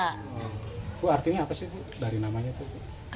bu artinya apa sih dari namanya itu